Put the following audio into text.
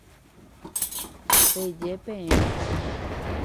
Peje peẽ.